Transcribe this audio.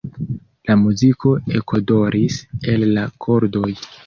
La muziko ekodoris el la kordoj.